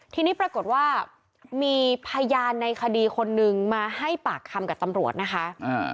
ทีนี้ปรากฏว่ามีพยานในคดีคนนึงมาให้ปากคำกับตำรวจนะคะ